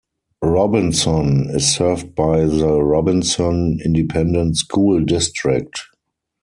Robinson is served by the Robinson Independent School District.